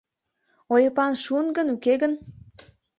Ойыпан шуын гын, уке гын?